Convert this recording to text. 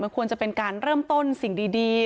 ควรจะเป็นการเริ่มต้นสิ่งดี